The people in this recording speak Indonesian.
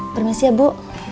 permisi ya bu